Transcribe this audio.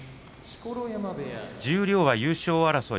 十両は優勝争い